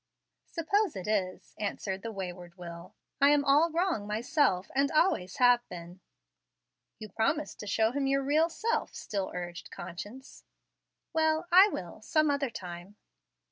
"Suppose it is," answered the wayward will, "I am all wrong myself and always have been." "You promised to show him your real self," still urged conscience. "Well, I will, some other time."